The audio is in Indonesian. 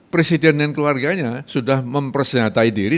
presiden dan keluarganya sudah mempersenjatai diri